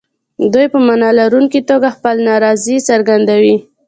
دوی په معنا لرونکي توګه خپله نارضايي څرګندوي.